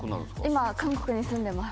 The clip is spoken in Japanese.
今韓国に住んでます。